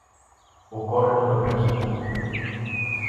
Ocorre nunha Empresa Pública.